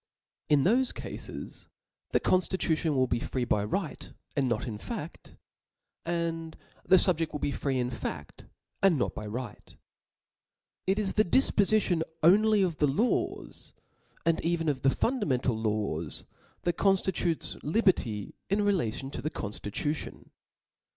In thole cafes, the conftitution will be free by right, and not in f«ft } the fubjedl wi|| be free in faft, and not by right. It is the difpofnion only of the law^, and ever? of the fundamental laws, that conftitutes liberty in relation to the conftitution.